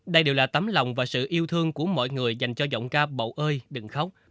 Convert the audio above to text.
đây đều là tấm lòng và sự yêu thương của mọi người dành cho giọng ca bầu ơi đừng khóc